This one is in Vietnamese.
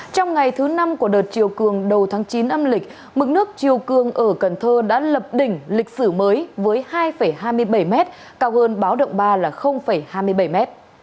trong ngày thứ năm của đợt chiều cường đầu tháng chín âm lịch mức nước chiều cường ở cần thơ đã lập đỉnh lịch sử mới với hai hai mươi bảy m cao hơn báo động ba là hai mươi bảy m